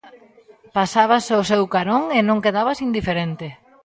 Pasabas ao seu carón e non quedabas indiferente.